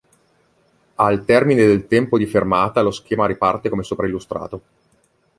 Al termine del tempo di fermata lo schema riparte come sopra illustrato.